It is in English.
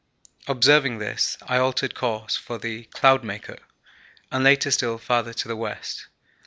Observing this, I altered course for the 'Cloudmaker' and later still farther to the west.